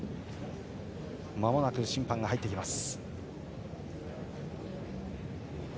まもなく審判が入ってきます。